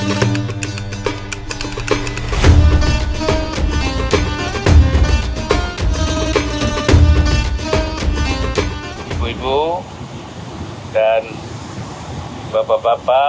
ibu ibu dan bapak bapak